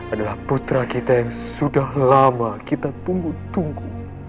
adalah putra kita yang sudah lama kita tunggu tunggu